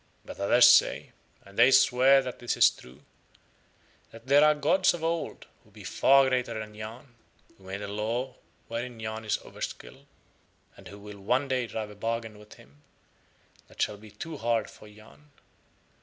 But others say, and they swear that this is true, that there are gods of Old, who be far greater than Yahn, who made the Law wherein Yahn is overskilled, and who will one day drive a bargain with him that shall be too hard for Yahn.